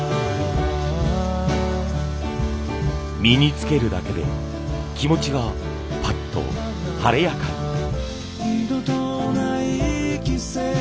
身につけるだけで気持ちがパッと晴れやかに。